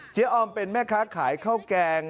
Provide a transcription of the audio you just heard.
ออมเป็นแม่ค้าขายข้าวแกง